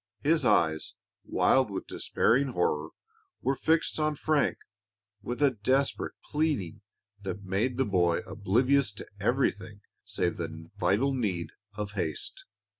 His eyes, wild with despairing horror, were fixed on Frank with a desperate pleading that made the boy oblivious to everything save the vital need of haste.